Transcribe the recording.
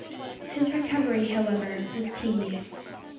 His recovery, however, was tedious.